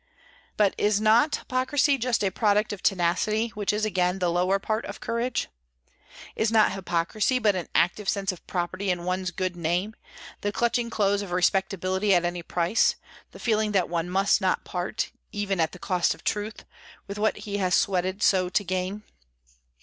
But is not hypocrisy just a product of tenacity, which is again the lower part of courage? Is not hypocrisy but an active sense of property in one's good name, the clutching close of respectability at any price, the feeling that one must not part, even at the cost of truth, with what he has sweated so to gain?